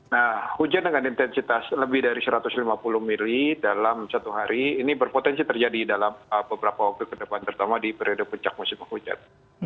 nah hujan dengan intensitas lebih dari satu ratus lima puluh mili dalam satu hari ini berpotensi terjadi dalam beberapa waktu ke depan terutama di periode puncak musim penghujat